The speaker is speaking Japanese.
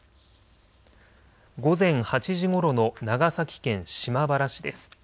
午前８時ごろの長崎県島原市です。